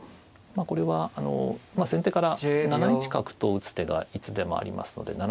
これは先手から７一角と打つ手がいつでもありますので。